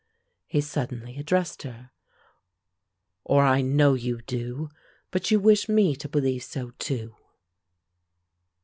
he suddenly addressed her. "Or, I know you do! But you wish me to believe so, too?"